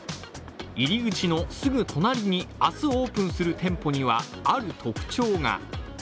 入り口のすぐ隣に、明日オープンする店舗には、ある特徴が。